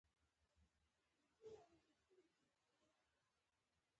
عمومي خبرې زیاتول هم د پیغام رسونې لپاره